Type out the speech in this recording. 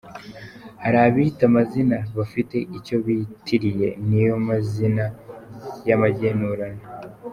Hari abita amazina bafite icyo bitiriye, niyo mazina y’amagenurano.